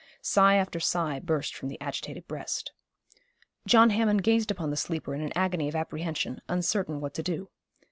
Sigh after sigh burst from the agitated breast. John Hammond gazed upon the sleeper in an agony of apprehension, uncertain what to do.